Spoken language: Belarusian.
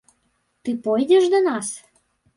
Ты пойдзеш да нас?